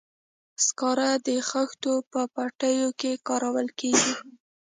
سکاره د خښتو په بټیو کې کارول کیږي.